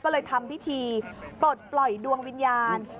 ก็เลยทำพิธีปลดปล่อยดวงวิญญาณ